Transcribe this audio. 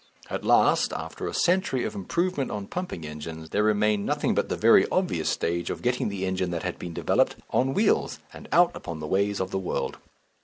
At last, after a century of improvement on pumping engines, there remained nothing but the very obvious stage of getting the engine that had been developed on wheels and out upon the ways of the world.